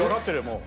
もう。